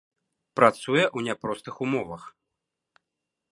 Працуе ў няпростых умовах.